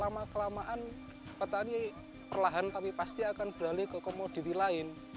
lama kelamaan petani perlahan tapi pasti akan beralih ke komoditi lain